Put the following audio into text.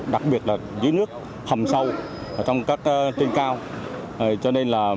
đặc biệt là dưới nước hầm sâu trong các tên cao